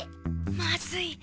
まずい。